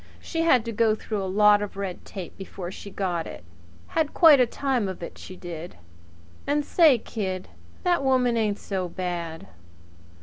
She had to go through a lot of red tape before she got it had quite a time of it, she did! And say, kid, that woman ain't so bad."